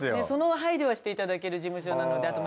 その配慮はしていただける事務所なので。